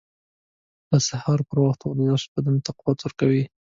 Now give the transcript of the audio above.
• د سهار پر وخت ورزش بدن ته قوت ورکوي.